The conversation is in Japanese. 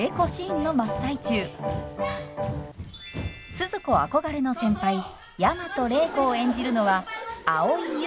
スズ子憧れの先輩大和礼子を演じるのは蒼井優さん。